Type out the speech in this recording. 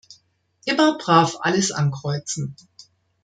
Immer brav alles ankreuzen!